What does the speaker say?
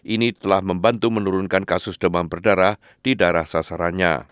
ini telah membantu menurunkan kasus demam berdarah di daerah sasarannya